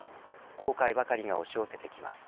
後悔ばかりが押し寄せてきます。